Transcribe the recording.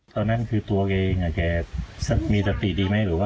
ตอนนั้นคือตัวเองมีสติดีไหม